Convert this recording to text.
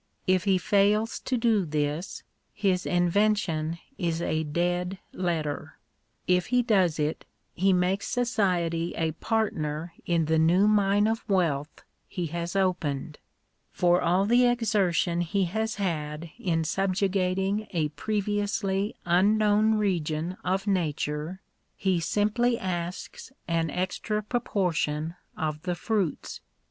If be fails to do this, his invention is a dead letter; if he does it, he makes society a partner in the new mine of wealth he has opened. For all the exertion he has had in subjugating a previously un known region of nature, he simply asks an extra proportion of the fruits.